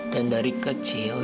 dan dari kecil